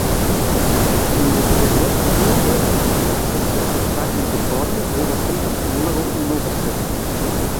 Im September endete Battistis Vertrag mit Ricordi, woraufhin er zu Numero Uno wechselte.